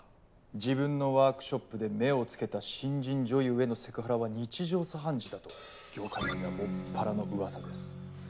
自分のワークショップで目を付けた新人女優へのセクハラは日常茶飯事だと業界内ではもっぱらの噂です。